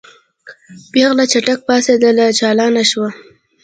پېغله چټک پاڅېدله چالانه شوه.